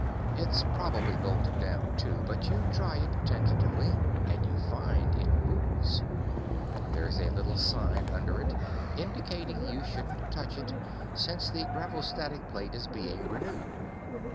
It's probably bolted down, too, but you try it tentatively and you find it moves. There's a little sign under it, indicating you shouldn't touch it, since the gravostatic plate is being renewed.